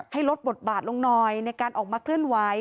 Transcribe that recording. ให้ลดบทบาทลงหน่อยในการออกมาเคลื่อนไหว